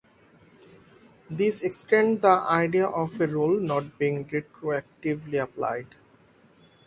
This extends the idea of a rule not being retroactively applied.